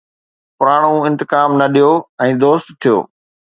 پراڻو انتقام نه ڏيو، ۽ دوست ٿيو